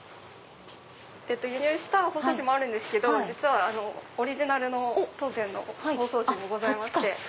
輸入した包装紙もあるんですけどオリジナルの当店の包装紙もございまして。